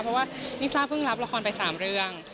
เพราะว่าลิซ่าเพิ่งรับละครไป๓เรื่อง